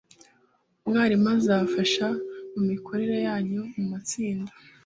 umwarimu uzabafasha mu mikorere yanyu mu matsinda